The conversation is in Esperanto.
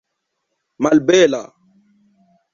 malbela